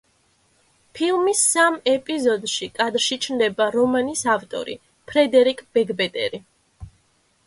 ფილმის სამ ეპიზოდში კადრში ჩნდება რომანის ავტორი ფრედერიკ ბეგბედერი.